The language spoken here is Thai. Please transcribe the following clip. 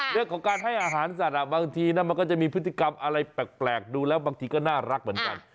เรื่องของการให้อาหารสัตว์บางทีมันก็จะมีพฤติกรรมอะไรแปลกดูแล้วบางทีก็น่ารักเหมือนกัน